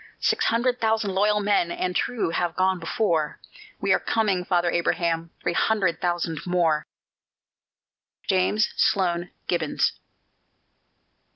Six hundred thousand loyal men and true have gone before: We are coming, Father Abraham, three hundred thousand more! JAMES SLOAN GIBBONS.